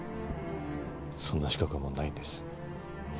そんな資格はもうないんです。